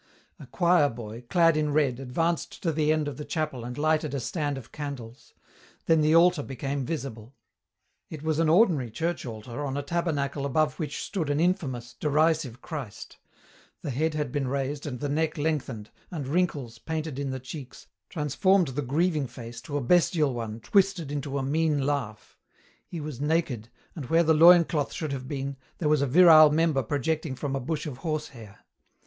A choir boy, clad in red, advanced to the end of the chapel and lighted a stand of candles. Then the altar became visible. It was an ordinary church altar on a tabernacle above which stood an infamous, derisive Christ. The head had been raised and the neck lengthened, and wrinkles, painted in the cheeks, transformed the grieving face to a bestial one twisted into a mean laugh. He was naked, and where the loincloth should have been, there was a virile member projecting from a bush of horsehair.